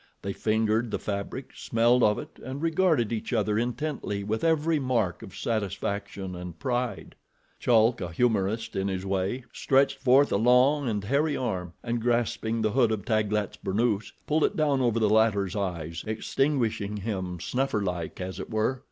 They fingered the fabric, smelled of it, and regarded each other intently with every mark of satisfaction and pride. Chulk, a humorist in his way, stretched forth a long and hairy arm, and grasping the hood of Taglat's burnoose pulled it down over the latter's eyes, extinguishing him, snuffer like, as it were.